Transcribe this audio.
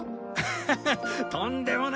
ハハとんでもない。